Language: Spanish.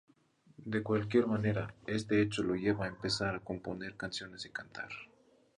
De cualquier manera, este hecho lo lleva a empezar a componer canciones y cantar.